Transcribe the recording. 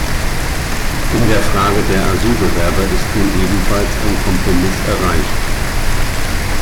In der Frage der Asylbewerber ist nun ebenfalls ein Kompromiss erreicht.